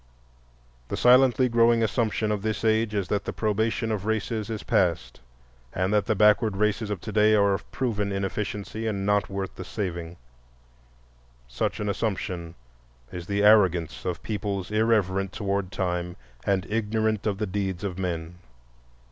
The silently growing assumption of this age is that the probation of races is past, and that the backward races of to day are of proven inefficiency and not worth the saving. Such an assumption is the arrogance of peoples irreverent toward Time and ignorant of the deeds of men.